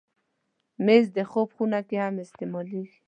مېز د خوب خونه کې هم استعمالېږي.